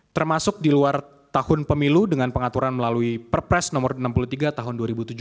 termasuk di luar tahun pemilu dengan pengaturan melalui perpres nomor enam puluh tiga tahun dua ribu tujuh belas